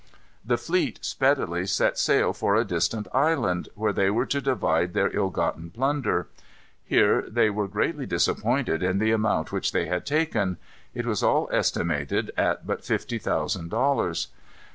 The fleet speedily set sail for a distant island, where they were to divide their ill gotten plunder. Here they were greatly disappointed in the amount which they had taken. It was all estimated at but fifty thousand dollars.